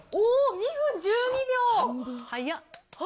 ２分１２秒。